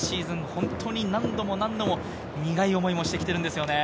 本当に何度も苦い思いもしてきてるんですよね。